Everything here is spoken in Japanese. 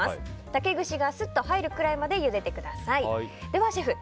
竹串がスッと入るぐらいまでゆでてください。